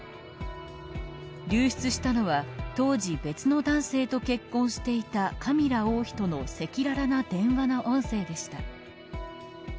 流出したのは当時、別の男性と結婚していたカミラ王妃との赤裸々な電話の音声でした。